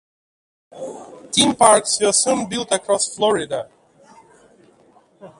Theme parks were soon built across Florida.